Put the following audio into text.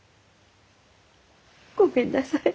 ごめんなさい。